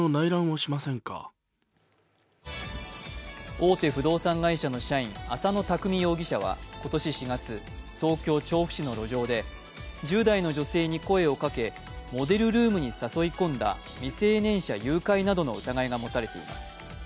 大手不動産会社の社員、浅野拓未容疑者は今年４月、東京・調布市の路上で１０代の女性に声をかけモデルルームに誘い込んだ未成年者誘拐などの疑いが持たれています。